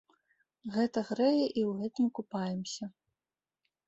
Гэта грэе і ў гэтым купаемся.